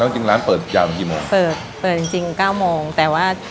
จริงร้านเปิดยาวมากี่โมงเปิดจริงจริงเก้าโมงแต่ว่า